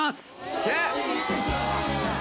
・いけ！